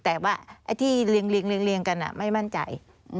แต่ว่าไอ้ที่เรียงกันไม่มั่นใจ